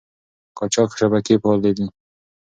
قاچاق شبکې فعالې دي.